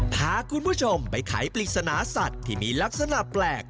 พาคุณผู้ชมไปไขปริศนาสัตว์ที่มีลักษณะแปลก